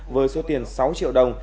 với số tiền sáu triệu đồng